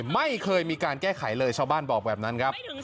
ไม่เคยมีการแก้ไขเลยชาวบ้านบอกแบบนั้นครับ